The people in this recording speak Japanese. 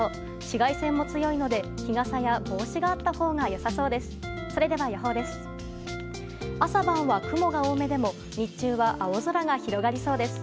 紫外線も強いので日傘や帽子があったほうが良さそうです。